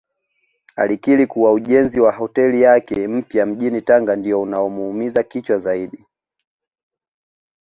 Alikiri kuwa ujenzi wa hoteli yake mpya mjini Tanga ndio unaomuumiza kichwa zaidi